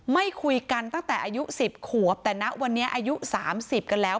ไม่คุยกันตั้งแต่อายุ๑๐ขวบแต่นะวันนี้อายุ๓๐กันแล้ว